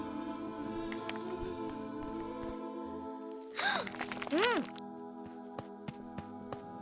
はっ！